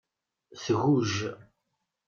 Tgujj.